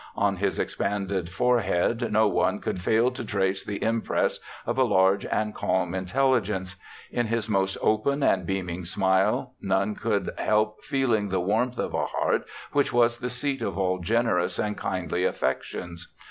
On his expanded forehead no one could fail to trace the impress of a large and calm intelligence. In his most open and beaming smile none could help feeling the warmth of a heart which was the seat of all generous and kindly affections.